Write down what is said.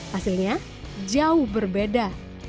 hasilnya jauh berbeda